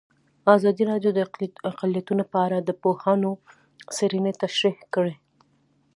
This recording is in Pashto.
ازادي راډیو د اقلیتونه په اړه د پوهانو څېړنې تشریح کړې.